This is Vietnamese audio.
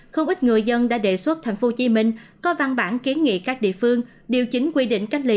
không ít người dân đã đề xuất tp hcm có văn bản kiến nghị các địa phương điều chính quy định cách ly